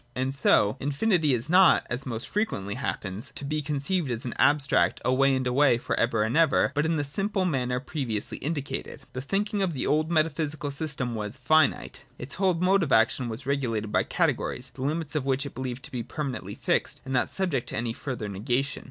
And so infinity is not, as most frequently happens, to be conceived as an abstract away and away for ever and ever, but in the simple manner previously indicated. •'' The thinking of the old metaphysical system was finite. • Its whole mode of action was regulated by categories, the limits of which it believed to be permanently fixed and not subject to any further negation.